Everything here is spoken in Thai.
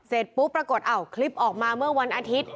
เสร็จปุ๊บปรากฏคลิปออกมาเมื่อวันอาทิตย์